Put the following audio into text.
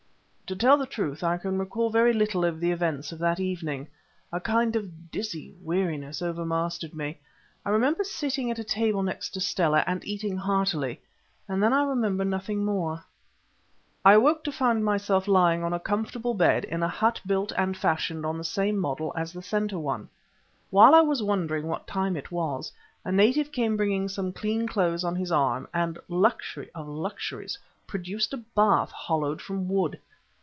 To tell the truth I can recall very little of the events of that evening. A kind of dizzy weariness overmastered me. I remember sitting at a table next to Stella, and eating heartily, and then I remember nothing more. I awoke to find myself lying on a comfortable bed in a hut built and fashioned on the same model as the centre one. While I was wondering what time it was, a native came bringing some clean clothes on his arm, and, luxury of luxuries, produced a bath hollowed from wood.